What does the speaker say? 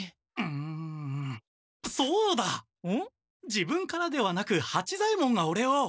自分からではなく八左ヱ門がオレを。